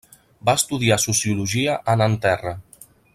Va estudiar Sociologia a Nanterre.